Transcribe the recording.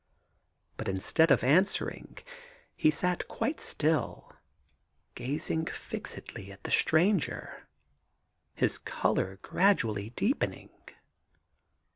But instead of answering he sat quite still, gazing fixedly at the stranger, his colour gradually deepening.